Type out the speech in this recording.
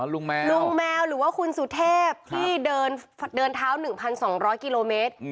ลุงแมวลุงแมวหรือว่าคุณสุเทพที่เดินเท้า๑๒๐๐กิโลเมตร